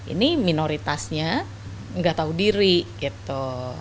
ini minoritasnya nggak tahu diri gitu